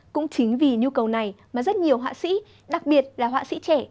cũng chính vì nhu cầu này mà rất nhiều họa sĩ đặc biệt là họa sĩ trẻ